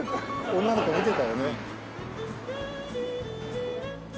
女の子見てたよね。